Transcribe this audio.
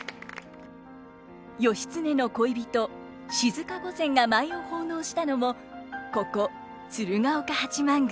義経の恋人静御前が舞を奉納したのもここ鶴岡八幡宮。